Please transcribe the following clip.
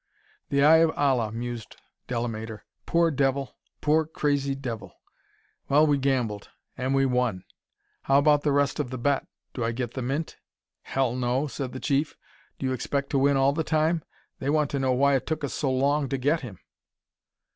"The Eye of Allah," mused Delamater. "Poor devil poor, crazy devil. Well, we gambled and we won. How about the rest of the bet? Do I get the Mint?" "Hell, no!" said the Chief. "Do you expect to win all the time? They want to know why it took us so long to get him.